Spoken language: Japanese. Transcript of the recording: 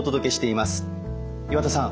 岩田さん